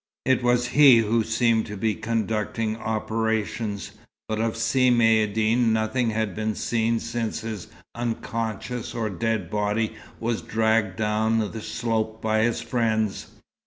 It was he who seemed to be conducting operations, but of Si Maïeddine nothing had been seen since his unconscious or dead body was dragged down the slope by his friends.